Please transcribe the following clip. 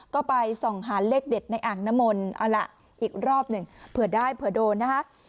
ก็ไปส่องหาเลขเด็ดในอ่างน้ำมนต์เอาล่ะอีกรอบหนึ่งเผื่อได้เผื่อโดนนะคะ